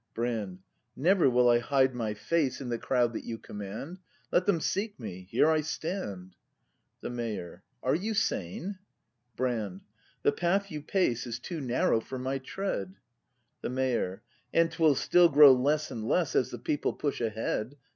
Brand. Never will I hide my face In the crowd that you command; Let them seek me: here I stand. The Mayor. Are you sane ? Brand. The path you pace Is too narrow for my tread. The Mayor. And 'twill still grow less and less As the people push ahead.